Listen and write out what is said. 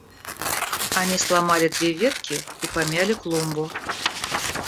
– Они сломали две ветки и помяли клумбу.